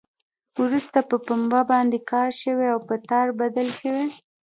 وروسته په پنبه باندې کار شوی او په تار بدل شوی.